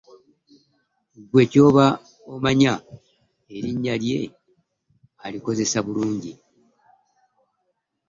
Gwe kyoba omanya erinya lye alikozeseza bulungi.